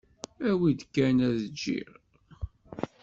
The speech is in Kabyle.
Awi-d kan ad jjiɣ.